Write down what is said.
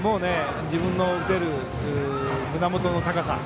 自分の打てる胸元の高さ。